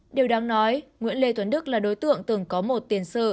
điều đáng nói nguyễn lê tuấn đức là đối tượng từng có một tiền sự